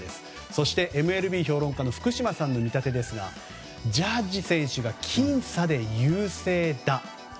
そして、ＭＬＢ評論家の福島さんの見立てですがジャッジ選手が僅差で優勢だ。